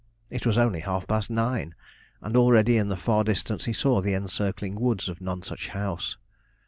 It was only half past nine, and already in the far distance he saw the encircling woods of Nonsuch House.